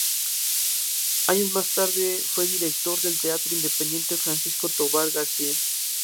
Años más tarde fue director del Teatro Independiente Francisco Tobar García.